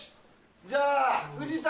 じゃあ藤田